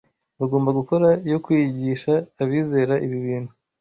bagomba gukora yo kwigisha abizera ibi bintu